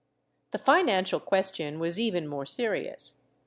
^ The financial question was even more serious.